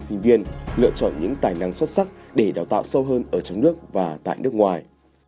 sinh viên lựa chọn những tài năng xuất sắc để đào tạo sâu hơn ở trong nước và tại nước ngoài